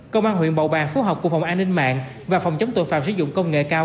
công an huyện bầu bàng phối hợp cùng phòng an ninh mạng và phòng chống tội phạm sử dụng công nghệ cao